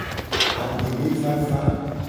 Ame be vava.